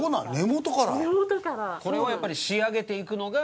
これをやっぱり仕上げていくのが。